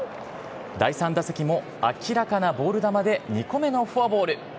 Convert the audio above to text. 第３打席も明らかなボール球で２個目のフォアボール。